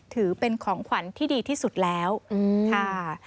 ถือเป็นของขวัญที่ดีที่สุดแล้วค่ะ